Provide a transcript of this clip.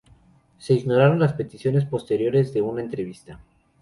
Se ignoraron las peticiones posteriores de una entrevista.